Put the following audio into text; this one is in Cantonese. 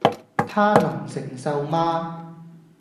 他能承受嗎？